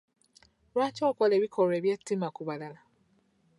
Lwaki okola ebikolwa eby'ettima ku balala?